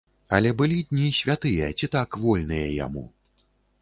Але былі дні святыя ці так вольныя яму.